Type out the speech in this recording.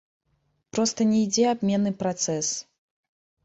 Проста не ідзе абменны працэс.